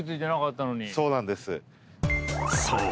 ［そう。